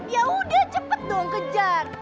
yaudah cepet dong kejar